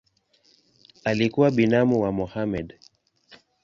Alikuwa binamu wa Mohamed.